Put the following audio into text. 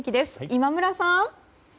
今村さん。